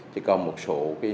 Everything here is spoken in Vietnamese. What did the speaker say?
chỉ còn một số